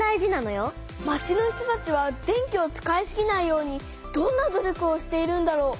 町の人たちは電気を使いすぎないようにどんな努力をしているんだろう？